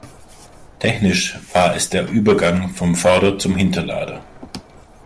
Technisch war es der Übergang vom Vorder- zum Hinterlader.